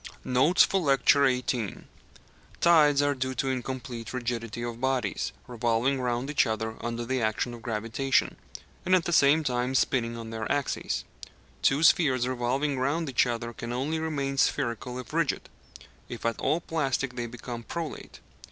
NOTES FOR LECTURE XVIII Tides are due to incomplete rigidity of bodies revolving round each other under the action of gravitation, and at the same time spinning on their axes. Two spheres revolving round each other can only remain spherical if rigid; if at all plastic they become prolate.